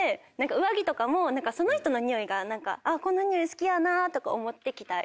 上着とかもその人のにおいが何かこのにおい好きやなとか思って着たい。